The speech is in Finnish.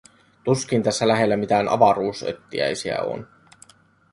Tuskin tässä lähellä mitään avaruusöttiäisiä on.